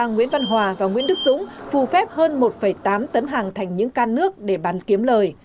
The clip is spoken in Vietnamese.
nguyễn văn hòa và nguyễn đức dũng phù phép hơn một tám tấn hàng thành những can nước để bán kiếm lời